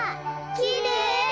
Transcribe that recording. きれい！